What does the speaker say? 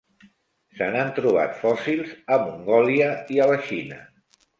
Se n'han trobat fòssils a Mongòlia i a la Xina.